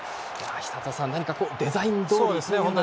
寿人さん、何かデザインどおりな。